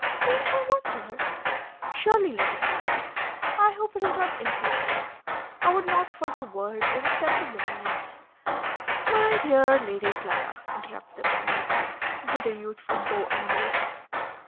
"May I have one word?" "Surely, Lady Clara." "I hope it is not intrusive. I would not for the world overstep the limits " "My dear Lady Clara!" interrupted the Prime Minister, with a youthful bow and wave.